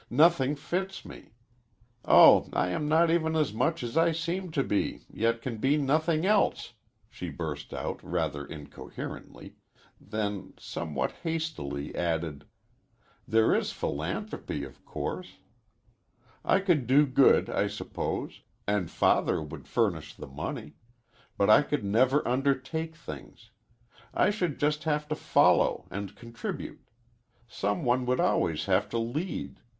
Nothing fits me. Oh, I am not even as much as I seem to be, yet can be nothing else!" she burst out rather incoherently, then somewhat hastily added: "There is philanthropy, of course. I could do good, I suppose, and Father would furnish the money. But I could never undertake things. I should just have to follow, and contribute. Some one would always have to lead.